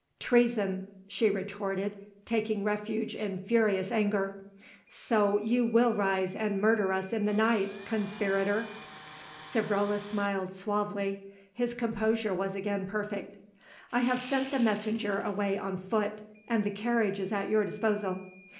"Treason," she retorted taking refuge in furious anger. "So you will rise and murder us in the night, conspirator!" Savrola smiled suavely; his composure was again perfect. "I have sent the messenger away on foot, and the carriage is at your disposal.